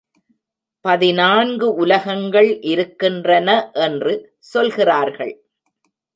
பதினான்கு உலகங்கள் இருக்கின்றன என்று சொல்கிறார்கள்.